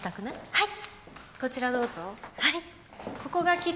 はい。